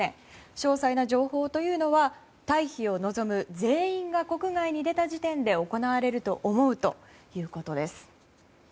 詳細な情報というのは退避を望む全員が国外に出た時点で行われると思うということです。